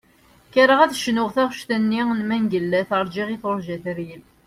Kkreɣ ad d-cnuɣ taɣect-nni n Mengellat "Rğiɣ i turğa teryel".